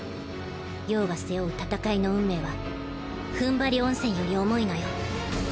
葉が背負う戦いの運命はふんばり温泉より重いのよ。